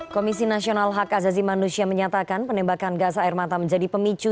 komisi nasional hak azazi manusia menyatakan penembakan gas air mata menjadi pemicu